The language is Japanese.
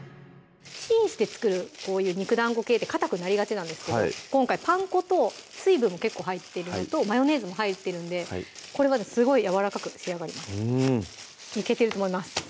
チンして作るこういう肉団子系ってかたくなりがちなんですけど今回パン粉と水分も結構入ってるのとマヨネーズも入ってるんでこれがすごいやわらかく仕上がりますいけてると思います